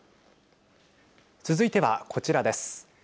続いては、こちらです。